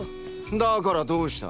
だからどうした？